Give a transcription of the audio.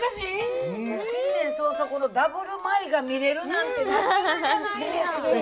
新年早々このダブル舞が見れるなんてなかなかないですよ。